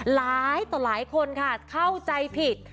หลายต่อหลายคนค่ะเข้าใจผิด